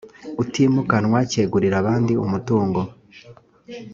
utimukanwa cyegurira abandi umutungo